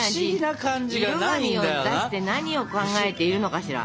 色紙を出して何を考えているのかしら？